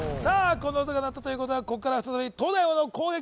この音が鳴ったということはここから再び東大王の攻撃